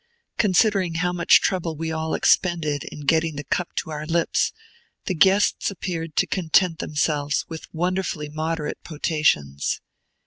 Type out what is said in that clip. Considering how much trouble we all expended in getting the cup to our lips, the guests appeared to content themselves with wonderfully moderate potations.